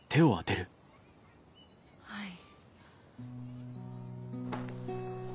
はい。